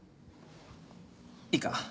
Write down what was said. いいか？